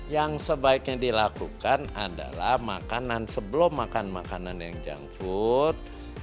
yang sebaiknya dilakukan adalah makanan sebelum makan makanan yang junk food